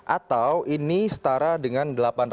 atau ini setara dengan